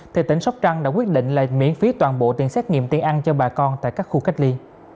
thì tỉnh sóc trăng đã quyết định là miễn phí toàn bộ tiền xét nghiệm tiền ăn cho bà con tại các khu cách ly